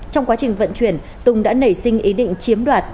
trong quá trình vận chuyển tùng đã nảy sinh ý định chiếm đoạt